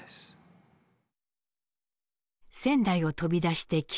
仙台を飛び出して９年目。